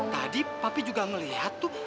tadi papi juga melihat tuh